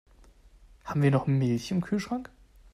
Haben wir noch Milch im Kühlschrank?